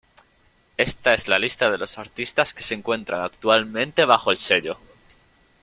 Esta es la lista de los artistas que se encuentran actualmente bajo el sello.